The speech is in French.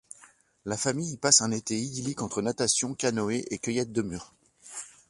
La famille y passe un été idyllique, entre natation, canoë et cueillette de mûres.